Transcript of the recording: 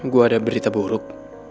gua ada berita buruk